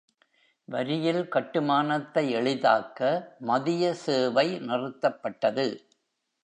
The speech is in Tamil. வரியில் கட்டுமானத்தை எளிதாக்க மதிய சேவை நிறுத்தப்பட்டது.